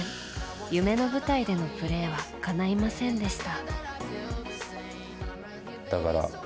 夢の舞台でのプレーはかないませんでした。